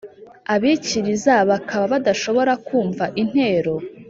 abikiriza bakaba badashobora kumva intero?